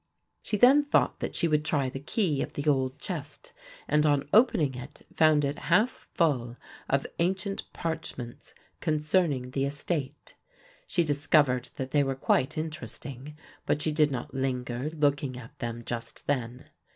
She then thought that she would try the key of the old chest and on opening it found it half full of ancient parchments concerning the estate. She discovered that they were quite interesting, but she did not linger looking at them just then.